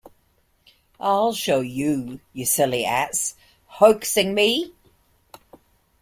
I'll show you, you silly ass — hoaxing me!